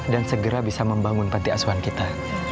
dan segera bisa membangun panti asuhan kita